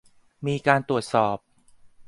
มีการตรวจสอบ